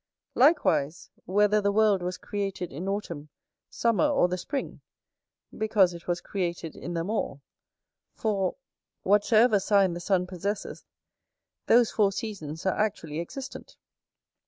Likewise, whether the world was created in autumn, summer, or the spring; because it was created in them all: for, whatsoever sign the sun possesseth, those four seasons are actually existent.